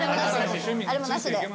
あれもなしです。